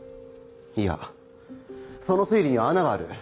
いやその推理には穴がある。